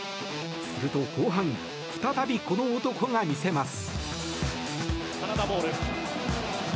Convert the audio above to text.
すると後半再び、この男が見せます。